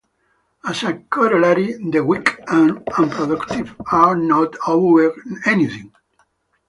As a corollary, the weak and unproductive are not owed anything.